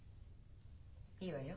いいわよ。